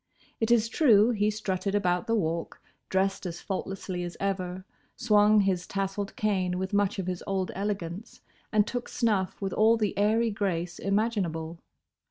It is true he strutted about the Walk, dressed as faultlessly as ever, swung his tassled cane with much of his old elegance, and took snuff with all the airy grace imaginable.